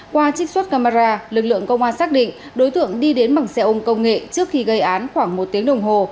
qua trích xuất camera lực lượng công an xác định đối tượng đi đến bằng xe ôn công nghệ trước khi gây án khoảng một tiếng đồng hồ